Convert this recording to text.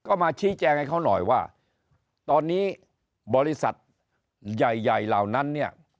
ก็มาชี้แจงให้เขาหน่อยว่าตอนนี้บริษัทใหญ่ใหญ่เหล่านั้นเนี่ย